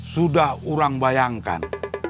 sudah orang bayangkan